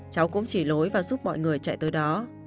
cháu cũng chỉ lối và giúp mọi người chạy tới đó